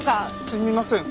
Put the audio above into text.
すみません。